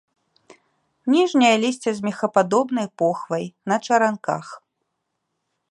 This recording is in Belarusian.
Ніжняе лісце з мехападобнай похвай, на чаранках.